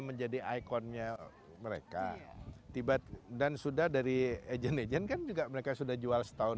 menjadi ikonnya mereka tiba dan sudah dari agent agent kan juga mereka sudah jual setahun